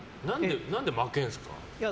何で負けるんですか？